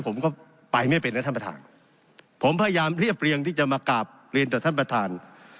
ผมก็ไปไม่เป็นนะท่านประธานผมพยายามเรียบเรียงที่จะมากราบเรียนต่อท่านประธาน